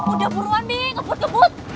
udah buruan nih ngebut ngebut